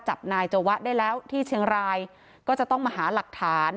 จับนายจวะได้แล้วที่เชียงรายก็จะต้องมาหาหลักฐาน